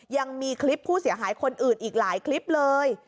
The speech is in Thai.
ยังมีคลิปผู้เสียหายคนอื่นอีกหลายคลิปเลย